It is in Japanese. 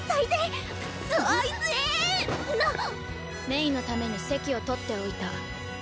⁉メイのために席を取っておいた。